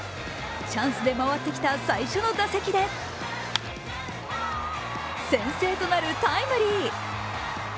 チャンスで回ってきた最初の打席で先制となるタイムリー。